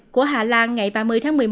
của hà lan ngày ba mươi tháng một mươi một